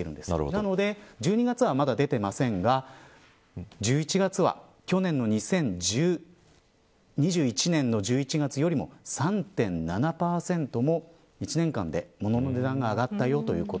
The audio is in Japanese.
なので１２月はまだ出ていませんが１１月は去年の２０２１年の１１月よりも３．７％も１年間で、ものの値段が上がったということ。